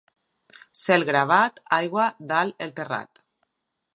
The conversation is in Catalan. Cel gravat, aigua dalt el terrat.